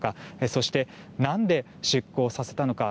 そして、何で出航させたのか。